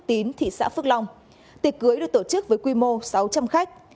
tuy nhiên thị xã phước long tiệc cưới được tổ chức với quy mô sáu trăm linh khách